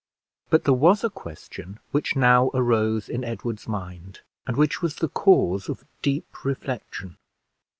But there was a question which now arose in Edward's mind, and which was the cause of deep reflection.